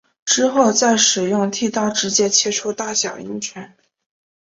之后再使用剃刀直接切除大小阴唇。